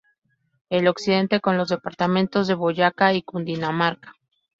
Y al occidente con los departamentos de Boyacá y Cundinamarca.